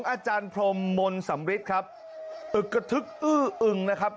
อาจารย์พรมมนต์สำริทครับอึกกระทึกอื้ออึงนะครับ